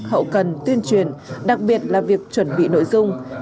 hậu cần tuyên truyền đặc biệt là việc chuẩn bị nội dung